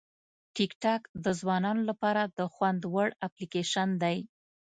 ټیکټاک د ځوانانو لپاره د خوند وړ اپلیکیشن دی.